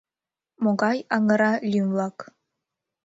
Могай аҥыра лӱм-влак.